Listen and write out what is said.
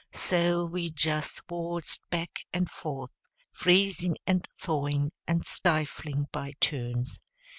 So we just waltzed back and forth, freezing, and thawing, and stifling, by turns.